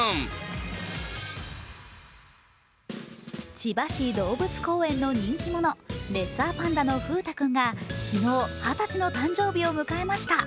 千葉市動物公園の人気者、レッサーパンダの風太くんが昨日、２０歳の誕生日を迎えました。